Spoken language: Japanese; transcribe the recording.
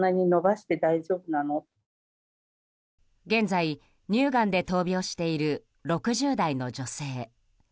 現在、乳がんで闘病している６０代の女性。